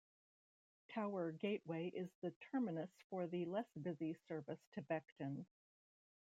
Tower Gateway is the terminus for the less busy service to Beckton.